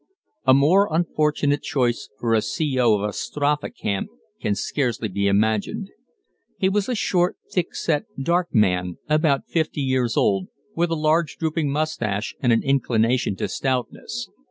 A more unfortunate choice for a C.O. of a strafe camp can scarcely be imagined. He was a short, thick set, dark man, about fifty years old, with a large drooping moustache and an inclination to stoutness.